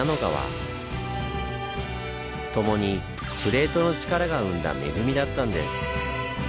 共にプレートの力が生んだ恵みだったんです。